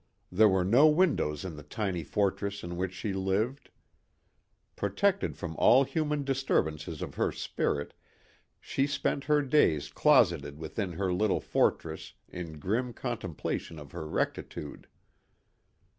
There were no windows in the tiny fortress in which she lived. Protected from all human disturbances of her spirit, she spent her days closeted within her little fortress in grim contemplation of her rectitude.